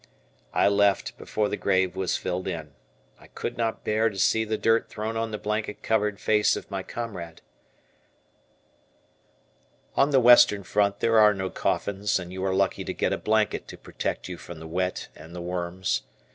I left before the grave was filled in. I could not bear to see the dirt thrown on the blanket covered face of my comrade. On the Western Front there are no coffins, and you are lucky to get a blanket to protect you from the wet and the worms.